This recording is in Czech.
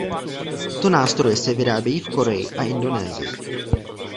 Tyto nástroje se vyrábějí v Koreji a Indonésii.